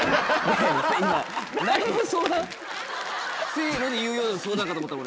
せので言うような相談かと思った俺。